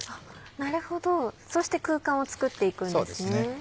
なるほどそうして空間を作っていくんですね。